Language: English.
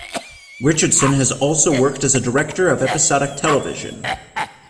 Richardson has also worked as a director of episodic television.